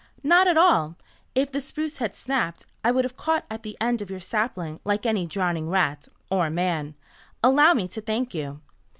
"Not at all. If the spruce had snapped, I would have caught at the end of your sapling like any drowning rat or man. Allow me to thank you."